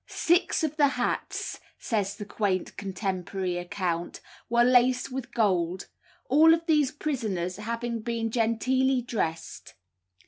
"Six of the hats," says the quaint contemporary account, "were laced with gold, all of these prisoners having been genteelly dressed."